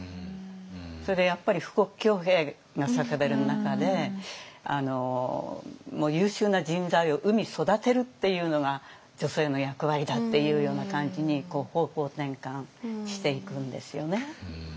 それでやっぱり富国強兵が叫ばれる中で優秀な人材を産み育てるっていうのが女性の役割だっていうような感じに方向転換していくんですよね。